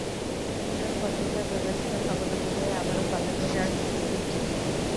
Mirror পত্রিকায় প্রকাশিত খবর অনুযায়ী আবারও কলেজে যাওয়া শুরু করবেন তিনি।